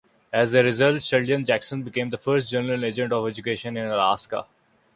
As a result, Sheldon Jackson became the First General Agent of Education in Alaska.